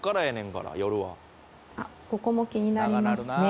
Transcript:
あっここも気になりますね。